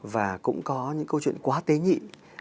và cũng có những câu chuyện quá tế nhị